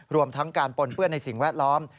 รวมทั้งการปนเปื้อนในสิ่งแวดล้อม